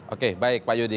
oke baik pak yudi